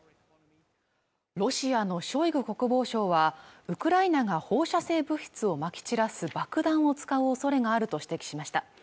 ロシアのショイグ国防相はウクライナが放射性物質をまき散らす爆弾を使う恐れがあると指摘しました